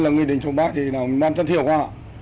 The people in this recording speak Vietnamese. nghị định số ba thì đảm bảo tất hiệu quả